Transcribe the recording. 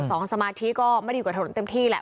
สมาธิก็ไม่ได้อยู่กับถนนเต็มที่แหละ